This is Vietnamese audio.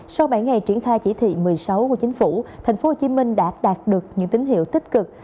sau bảy ngày triển khai chỉ thị một mươi sáu của chính phủ thành phố hồ chí minh đã đạt được những tín hiệu tích cực